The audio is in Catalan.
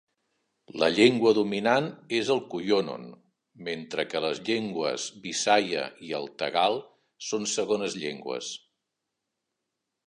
La llengua dominant és el cuyonon, mentre que les llengües bisaya i el tagal són segones llengües.